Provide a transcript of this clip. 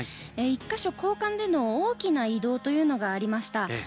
１か所、交換での大きな移動というのがありました。